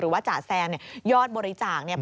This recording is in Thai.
หรือว่าจ่าแซมเนี่ยยอดบริจาคเนี่ย